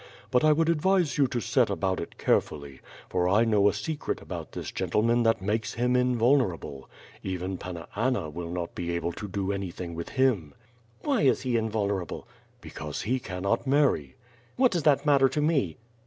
But I would advise you to set about it carefully, for I know a secret about this gentleman that makes him invulnerable. .. Even Panna Anna will not be able to do anything with him." "Why is he invulnerable?" "Because he cannot marry." "What does that matter to me?